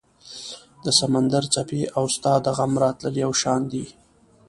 د سمندر څپې او ستا د غم راتلل یو شان دي